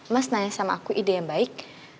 mas nanya sama aku ide yang baik